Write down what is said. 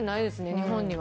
日本には。